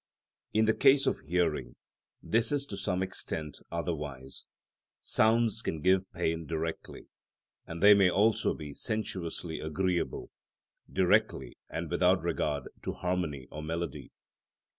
In the case of hearing this is to some extent otherwise; sounds can give pain directly, and they may also be sensuously agreeable, directly and without regard to harmony or melody.